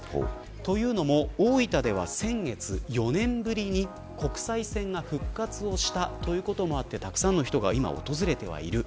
というのも、大分では先月４年ぶりに国際線が復活をしたということもあってたくさんの人が訪れてはいる。